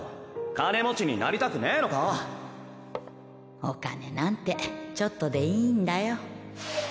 金持ちになりたお金なんてちょっとでいいんだよ